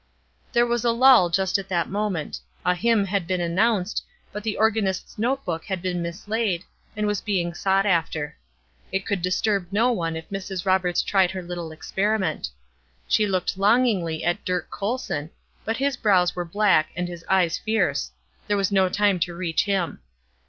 There was a lull just at that moment. A hymn had been announced, but the organist's note book had been mislaid, and was being sought after. It could disturb no one if Mrs. Roberts tried her little experiment. She looked longingly at Dirk Colson, but his brows were black and his eyes fierce; this was no time to reach him.